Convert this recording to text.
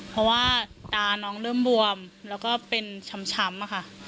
เพราะว่าตาน้องเริ่มบวมแล้วก็เป็นช้ำค่ะ